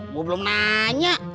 mau belum nanya